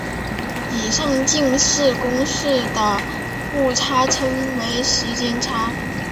以上近似公式的误差称为时间差。